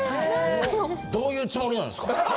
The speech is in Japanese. ・どういうつもりなんですか？